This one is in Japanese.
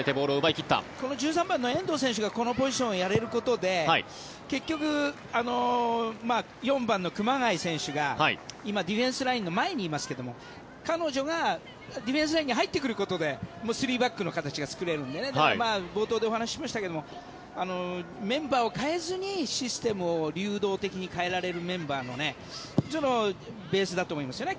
この１３番の遠藤選手がこのポジションをやれることで結局、４番の熊谷選手が今、ディフェンスラインの前にいますけど彼女がディフェンスラインに入ってくることで３バックの形が作れるので冒頭でお話ししましたがメンバーを代えずにシステムを流動的に変えられるメンバーのベースだと思いますよね。